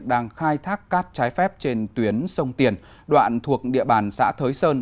đang khai thác cát trái phép trên tuyến sông tiền đoạn thuộc địa bàn xã thới sơn